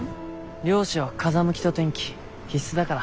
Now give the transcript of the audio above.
漁師は風向きと天気必須だから。